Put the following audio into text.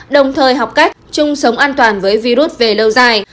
đồng thời học cách chung sống an toàn với virus về lâu dài